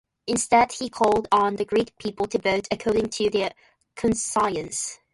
Instead he called on the Greek people to vote "according to their conscience".